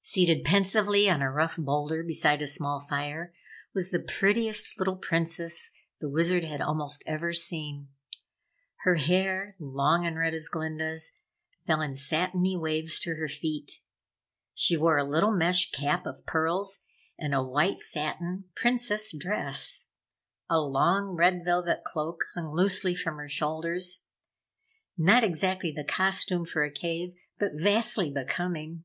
Seated pensively on a rough boulder beside a small fire was the prettiest little Princess the Wizard had almost ever seen. Her hair, long and red as Glinda's, fell in satiny waves to her feet. She wore a little mesh cap of pearls and a white satin, Princess dress. A long, red velvet cloak hung loosely from her shoulders. Not exactly the costume for a cave, but vastly becoming.